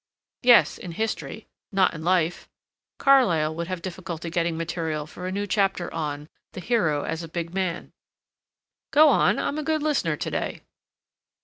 "Yes—in history—not in life. Carlyle would have difficulty getting material for a new chapter on 'The Hero as a Big Man.'" "Go on. I'm a good listener to day."